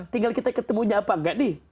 tinggal kita ketemunya apa enggak nih